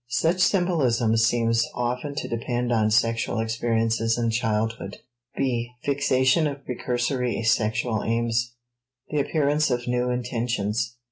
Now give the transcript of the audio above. Such symbolism seems often to depend on sexual experiences in childhood. (b) Fixation of Precursory Sexual Aims *The Appearance of New Intentions.